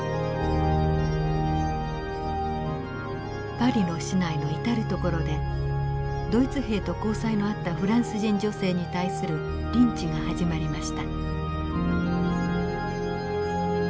パリの市内の至る所でドイツ兵と交際のあったフランス人女性に対するリンチが始まりました。